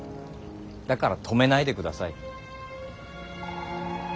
だから止めないでください。